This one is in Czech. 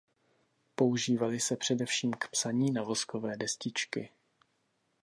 Používaly se především k psaní na voskové destičky.